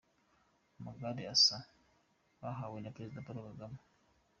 amagare asa bahawe na Perezida Paul Kagame.